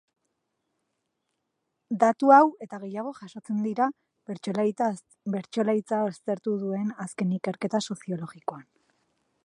Datu hau eta gehiago jasotzen dira bertsolaritza aztertu duen azken ikerketa soziologikoan.